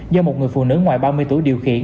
do một người phụ nữ ngoài ba mươi tuổi điều khiển